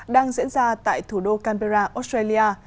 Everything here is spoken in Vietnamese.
đang diễn ra tại thủ đô canberra australia